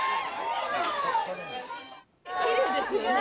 きれいですよね！